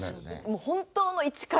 もう本当の一から。